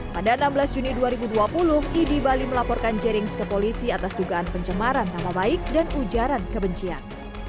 pada enam belas juni dua ribu dua puluh idi bali melaporkan jerings ke polisi atas dugaan pencemaran nama baik dan ujaran kebencian